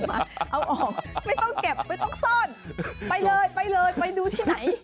เอาออกไม่ต้องเก็บไม่ต้องซ่อนไปเลยไปเลยไปดูที่ไหน